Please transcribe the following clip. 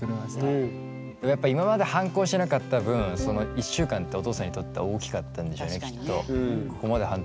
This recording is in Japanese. やっぱり今まで反抗してなかった分その１週間ってお父さんにとって大きかったんでしょうねきっと。